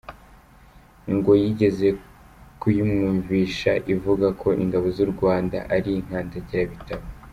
Ngo yigeze kuyimwumvisha ivuga ko ingabo z’u Rwanda ari inkandagirabitabo.